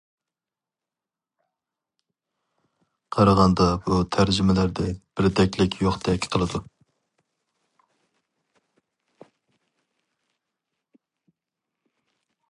قارىغاندا بۇ تەرجىمىلەردە بىردەكلىك يوقتەك قىلىدۇ.